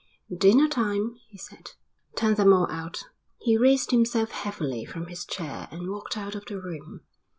"Dinner time," he said. "Turn them all out." He raised himself heavily from his chair and walked out of the room.